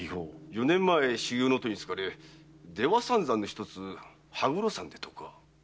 四年前修行の途につかれ出羽三山のひとつ羽黒山でとか。